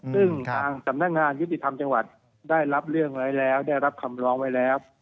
ซึ่งทางสำนักงานยุติธรรมจังหวัดได้รับเรื่องไว้แล้วได้รับคำร้องไว้แล้ว